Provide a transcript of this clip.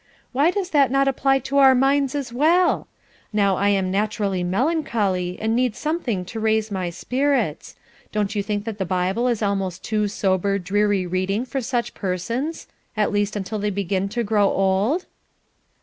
Why does that not apply to our minds as well? Now I am naturally melancholy, and need something to raise my spirits. Don't you think that the Bible is almost too sober, dreary reading for such persons at least until they begin to grow old?"